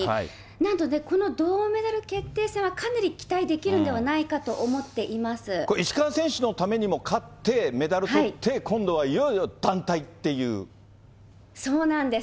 なので、この銅メダル決定戦はかなり期待できるんではないかと思っていまこれ石川選手のためにも、勝ってメダルとって、そうなんです。